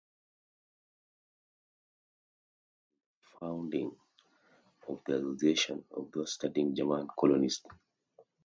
There he participated in the founding of the Association of those studying German Colonists.